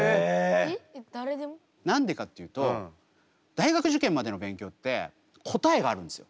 何でかっていうと大学受験までの勉強って答えがあるんですよ。